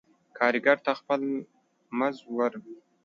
کاريګر ته خپل مز ور